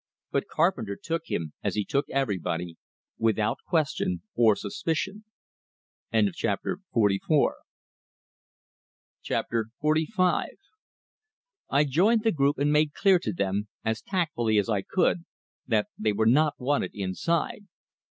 But Carpenter took him, as he took everybody, without question or suspicion. XLV I joined the group, and made clear to them, as tactfully as I could, that they were not wanted inside.